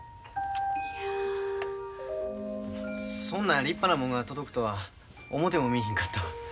そんな立派なもんが届くとは思てもみいひんかったわ。